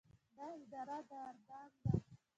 دا اداره د اردن ده.